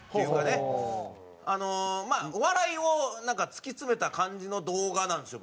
お笑いを突き詰めた感じの動画なんですよ